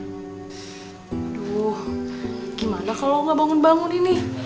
aduh gimana kalau nggak bangun bangun ini